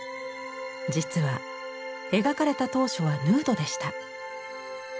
実は描かれた当初はヌードでした。